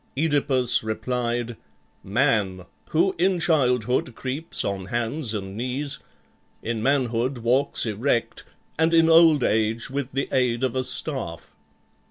OEdipus replied, "Man, who in childhood creeps on hands and knees, in manhood walks erect, and in old age with the aid of a staff."